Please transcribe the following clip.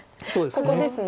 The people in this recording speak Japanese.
ここですね。